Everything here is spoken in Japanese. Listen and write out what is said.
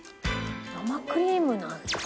「生クリームなんだ」